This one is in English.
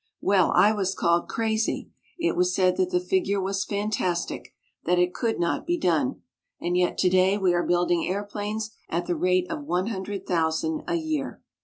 Well, I was called crazy it was said that the figure was fantastic; that it could not be done. And yet today we are building airplanes at the rate of one hundred thousand a year.